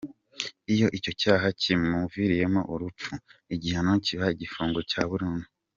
Iyo icyo cyaha kimuviriyemo urupfu, igihano kiba igifungo cya burundu.